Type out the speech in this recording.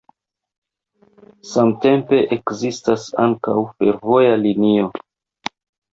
Samtempe ekzistas ankaŭ fervoja linio.